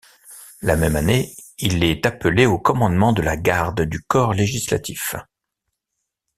La même année, il est appelé au commandement de la garde du Corps législatif.